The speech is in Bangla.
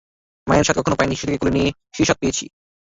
মায়ের স্বাদ কখনো পাইনি, শিশুটিকে কোলে তুলে নিয়ে সেই স্বাদ পেয়েছি।